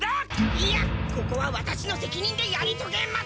いやここはワタシのせきにんでやりとげます！